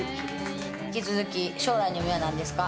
引き続き将来の夢はなんですか？